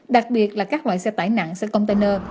đặc biệt là các loại xe tải nặng xe container